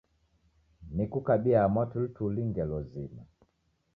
Nikukabia mwatulituli ngelo zima